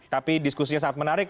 tapi diskusinya sangat menarik